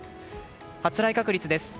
発雷確率です。